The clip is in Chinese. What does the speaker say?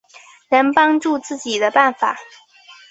能帮助自己的办法